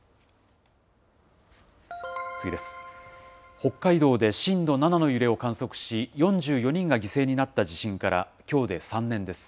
北海道で震度７の揺れを観測し、４４人が犠牲になった地震からきょうで３年です。